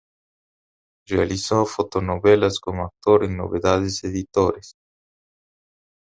Realizó fotonovelas como actor en Novedades Editores.